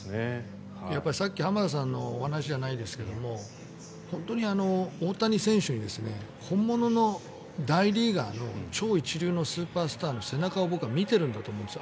さっき浜田さんのお話じゃないですけど本当に大谷選手に本物の大リーガーの超一流のスーパースターの背中を僕は見てるんだと思うんですよ。